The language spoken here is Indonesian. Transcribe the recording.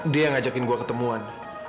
dia yang ngajakin gue ketemuan